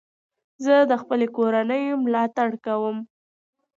زه د خپلي کورنۍ ملاتړ کوم.